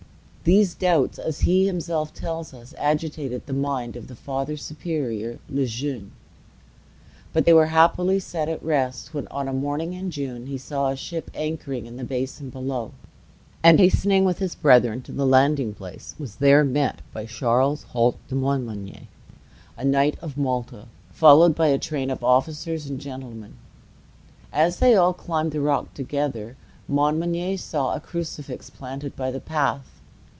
These doubts, as he himself tells us, agitated the mind of the Father Superior, Le Jeune; but they were happily set at rest, when, on a morning in June, he saw a ship anchoring in the basin below, and, hastening with his brethren to the landing place, was there met by Charles Huault de Montmagny, a Knight of Malta, followed by a train of officers and gentlemen. As they all climbed the rock together, Montmagny saw a crucifix planted by the path.